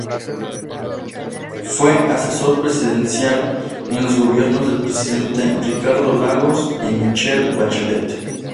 Fue Asesor Presidencial en los gobiernos del Presidente Ricardo Lagos y Michelle Bachelet.